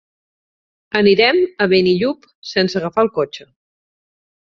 Anirem a Benillup sense agafar el cotxe.